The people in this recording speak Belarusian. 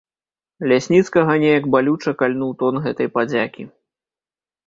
Лясніцкага неяк балюча кальнуў тон гэтай падзякі.